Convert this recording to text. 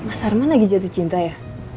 mas arman lagi jatuh cinta ya